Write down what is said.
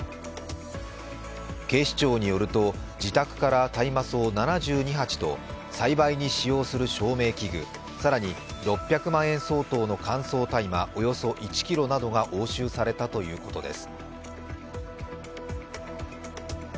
警視庁によると、自宅から大麻草７２鉢と栽培に使用する照明器具、更に６００万円相当の乾燥大麻およそ１ｋｇなどが押収されたということです。